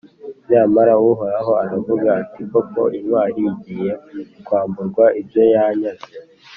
nyamara uhoraho aravuga ati ‘koko intwari igiye kwamburwa ibyo yanyaze,